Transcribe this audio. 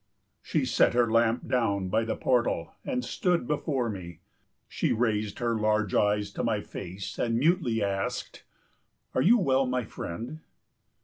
She set her lamp down by the portal and stood before me. She raised her large eyes to my face and mutely asked, "Are you well, my friend?"